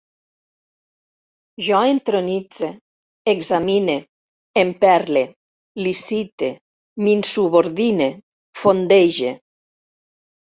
Jo entronitze, examine, emperle, licite, m'insubordine, fondege